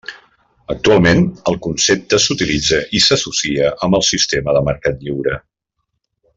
Actualment, el concepte s'utilitza i s'associa amb el sistema de mercat lliure.